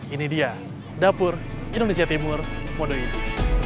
ini dia dapur indonesia timur modo ini